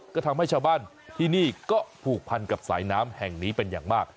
ก็ทำให้ชาวบ้านที่นี่ก็ผูกพันกับสายน้ำแห่งนี้เป็นอย่างมาก